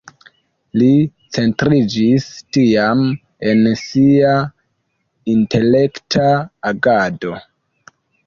Li centriĝis tiam en sia intelekta agado.